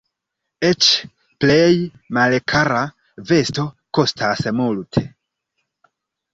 Eĉ plej malkara vesto kostas multe.